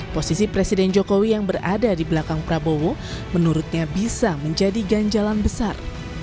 posisi presiden jokowi yang berada di belakang prabowo menurutnya bisa menjadi ganjalan besar